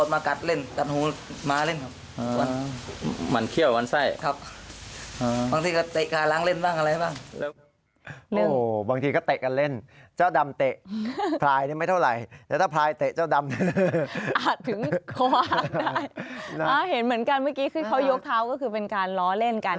เมื่อกี้เขายกเท้าก็คือเป็นการล้อเล่นกัน